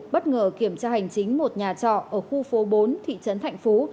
bất ngờ kiểm tra hành chính một nhà trọ ở khu phố bốn thị trấn thạnh phú